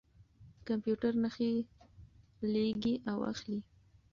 کمپیوټر نښې لېږي او اخلي.